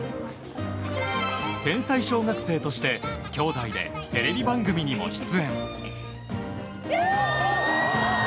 天才小学生として兄弟でテレビ番組にも出演。